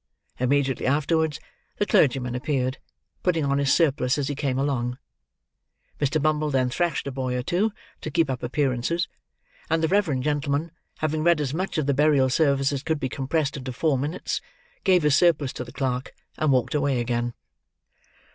Immediately afterwards, the clergyman appeared: putting on his surplice as he came along. Mr. Bumble then thrashed a boy or two, to keep up appearances; and the reverend gentleman, having read as much of the burial service as could be compressed into four minutes, gave his surplice to the clerk, and walked away again.